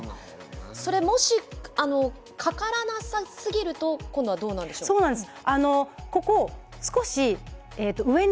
これもしかからなさすぎると今度はどうなんでしょう？